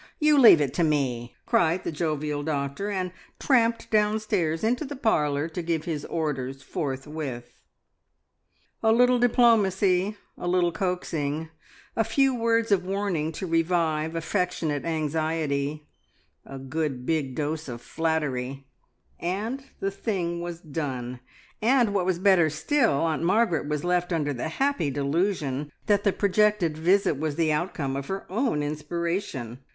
You leave it to me!" cried the jovial doctor, and tramped downstairs into the parlour to give his orders forthwith. A little diplomacy, a little coaxing, a few words of warning to revive affectionate anxiety, a good big dose of flattery, and the thing was done; and, what was better still, Aunt Margaret was left under the happy delusion that the projected visit was the outcome of her own inspiration.